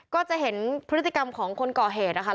ก็จะเห็นพฤติกรรมของคนก่อเหตุนะคะ